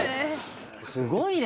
すごいね！